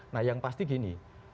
nah yang pasti gini